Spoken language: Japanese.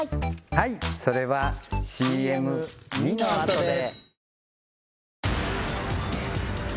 はいそれはＣＭ②のあとで！